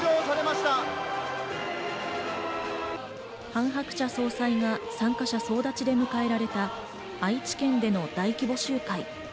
ハン・ハクチャ総裁が参加者総立ちで迎えられた愛知県での大規模集会。